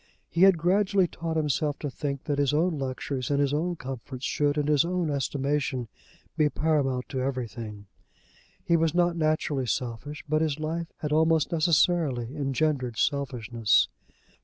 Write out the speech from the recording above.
He had gradually taught himself to think that his own luxuries and his own comforts should in his own estimation be paramount to everything. He was not naturally selfish, but his life had almost necessarily engendered selfishness.